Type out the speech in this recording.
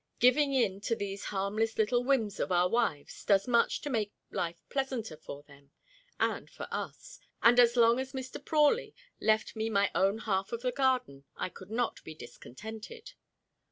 Giving in to these harmless little whims of our wives does much to make life pleasanter for them and for us and as long as Mr. Prawley left me my own half of the garden I could not be discontented.